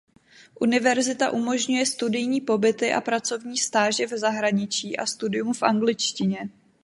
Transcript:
Univerzita umožňuje studijní pobyty a pracovní stáže v zahraničí a studium v angličtině.